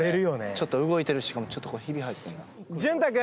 ちょっと動いてるししかもちょっとここヒビ入ってるなジュンタ君